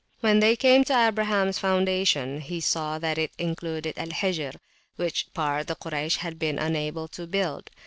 When they came to Abrahams foundation he saw that it included Al Hijr, which part the Kuraysh had been unable to build.